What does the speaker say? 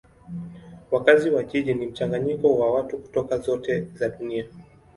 Wakazi wa jiji ni mchanganyiko wa watu kutoka zote za dunia.